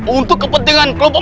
untuk kepentingan kelompok